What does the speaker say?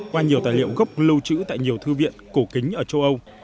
qua nhiều tài liệu gốc lâu chữ tại nhiều thư viện cổ kính ở châu âu